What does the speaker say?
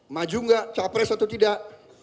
maju nggak capres atau tidak